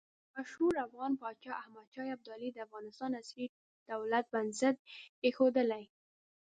مشهور افغان پاچا احمد شاه ابدالي د افغانستان عصري دولت بنسټ ایښودلی.